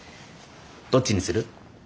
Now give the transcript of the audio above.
どっちにする？